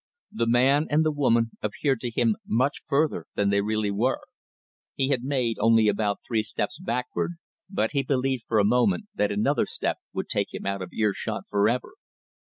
The man and the woman appeared to him much further than they really were. He had made only about three steps backward, but he believed for a moment that another step would take him out of earshot for ever.